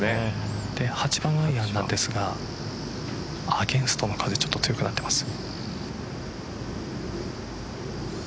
８番アイアンなんですがアゲンストの風強くなっています。